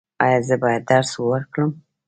ایا زه باید درس ورکړم؟